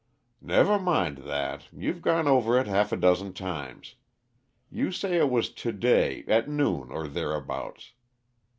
"Never mind that you've gone over it half a dozen times. You say it was to day, at noon, or thereabouts.